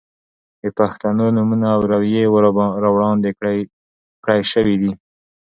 د پښتنو نومونه او روئيې را وړاندې کړے شوې دي.